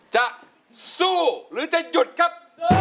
จะสู้หรือจะหยุดครับ